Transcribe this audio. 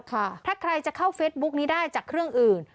ถ้าใครจะเข้าเฟซบุ๊กนี้ได้จากเครื่องอื่น